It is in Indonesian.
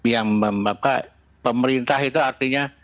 yang pemerintah itu artinya